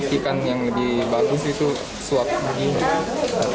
memastikan yang lebih bagus itu swab begini